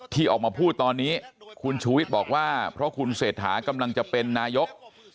ที่ออกมาพูดตอนนี้คุณชูวิทย์บอกว่าเพราะคุณเศรษฐากำลังจะเป็นนายก